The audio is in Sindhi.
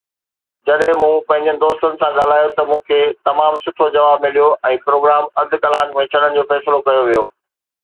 جڏهن مون پنهنجي دوستن سان ڳالهايو ته مون کي تمام سٺو جواب مليو ۽ پروگرام اڌ ڪلاڪ ۾ ڇڏڻ جو فيصلو ڪيو ويو.